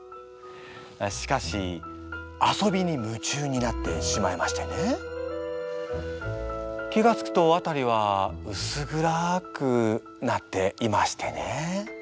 しかし遊びに夢中になってしまいましてね気がつくとあたりはうす暗くなっていましてね